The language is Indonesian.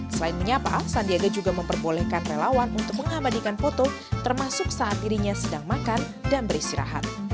selain menyapa sandiaga juga memperbolehkan relawan untuk mengabadikan foto termasuk saat dirinya sedang makan dan beristirahat